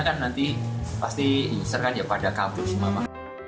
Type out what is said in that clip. kan nanti pasti user kan ya pada kabur semua